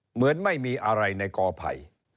เหมือนไม่มีอะไรในกอไผ่